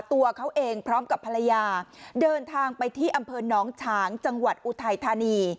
ตัวเขาเองพร้อมกับภรรยาเดินทางไปที่อำเภอน้องฉางจังหวัดอุทัยธานี